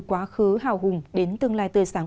quá khứ hào hùng đến tương lai tươi sáng